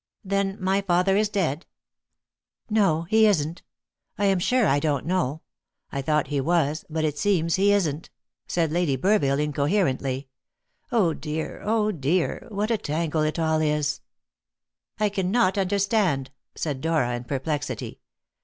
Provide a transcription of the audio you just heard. "Then my father is dead?" "No, he isn't; I am sure I don't know; I thought he was, but it seems he isn't," said Lady Burville incoherently. "Oh dear, oh dear! what a tangle it all is!" "I cannot understand," said Dora in perplexity.